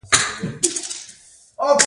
اوږده غرونه د افغانستان د انرژۍ سکتور برخه ده.